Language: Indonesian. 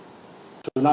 tidak ada peringatan di mana